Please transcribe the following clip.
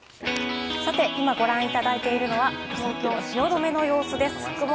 今、ご覧いただいているのは東京・汐留の様子です。